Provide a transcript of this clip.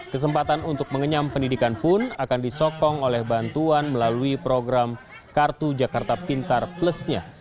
kesempatan untuk mengenyam pendidikan pun akan disokong oleh bantuan melalui program kartu jakarta pintar plusnya